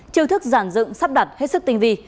chiêu thức giản dựng sắp đặt hết sức tinh vi